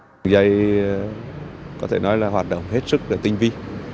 đường dây có thể nói là hoạt động hết sức tinh vi